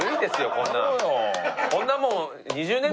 こんなもん。